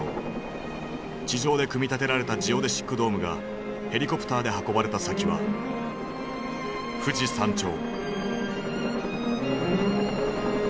地上で組み立てられたジオデシックドームがヘリコプターで運ばれた先は富士山頂。